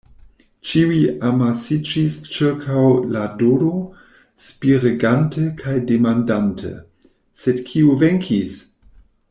Ĉiuj amasiĝis ĉirkaŭ la Dodo, spiregante kaj demandante: “Sed kiu venkis?”